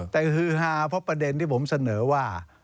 แต่ฮือฮาเพราะประเด็นที่ผมเสนอว่า